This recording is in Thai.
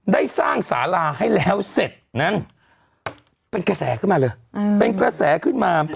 ได้สร้างสาราให้แล้วเสร็จเป็นกระแสขึ้นมาเลย